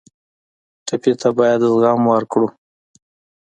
ټپي ته باید زغم ورکړو.